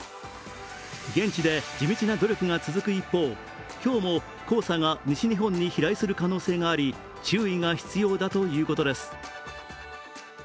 現地で地道な努力が続く一方、今日も黄砂が西日本に飛来する可能性があり注意が必要だということです。